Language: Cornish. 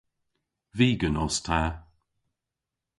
Vegan os ta.